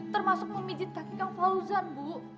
termasuk memijit kaki kang fauzan bu